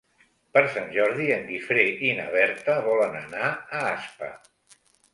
Per Sant Jordi en Guifré i na Berta volen anar a Aspa.